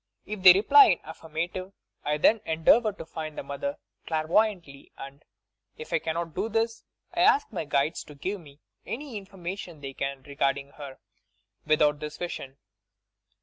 If they reply in the affirma tive, I then endeavour to find the mother clairvoyantly and, if I cannot do this, I ask my guides to give me any information they can regarding her, without this vision.